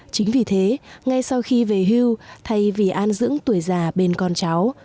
chính vì thế ngay sau khi về hưu thay vì an dưỡng tuổi già bên con cháu